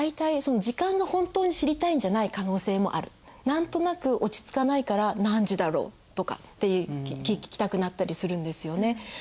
何となく落ち着かないから「何時だろう？」とかって聞きたくなったりするんですよね。